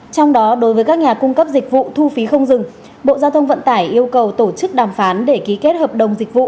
trong đó đối với các nhà cung cấp dịch vụ thu phí không dừng bộ giao thông vận tải yêu cầu tổ chức đàm phán để ký kết hợp đồng dịch vụ